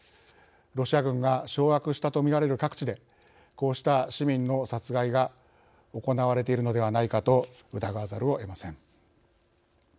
ロシア軍が掌握したとみられる各地で、こうした市民の殺害が行われているのではないかと疑わざるを得ません。